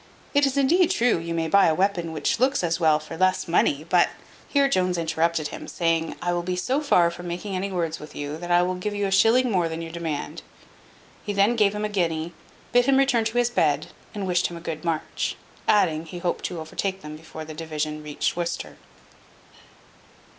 It is indeed true, you may buy a weapon which looks as well for less money. But " Here Jones interrupted him, saying, "I will be so far from making any words with you, that I will give you a shilling more than your demand." He then gave him a guinea, bid him return to his bed, and wished him a good march; adding, he hoped to overtake them before the division reached Worcester.